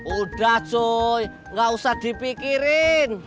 udah cuy nggak usah dipikirin